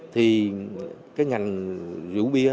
thì cái ngành rượu bia